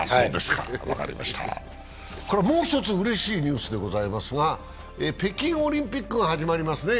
もう一つ、うれしいニュースですが、北京オリンピックが始まりますね。